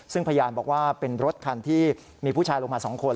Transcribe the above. ซึ่งพยานบอกว่าเป็นรถคันที่มีผู้ชายลงมา๒คน